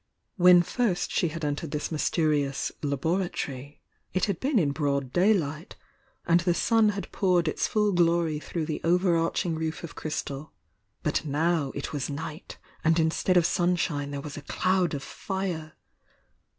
When first she had en tered this mysterious "laboratory" it had been in broad daylight, and the sun had poured its full glory through the over arching roof of crystal, — but now it was night and instead of sunshine there was a cloud of fire!